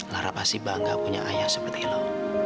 lara pasti bangga punya ayah seperti lo